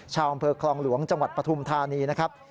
ชาวอำเภอคลองหลวงจังหวัดปฐุมธานีนะครับ